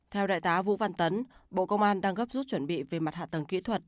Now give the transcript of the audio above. theo đại tá vũ văn tấn bộ công an đang gấp rút chuẩn bị về mặt hạ tầng kỹ thuật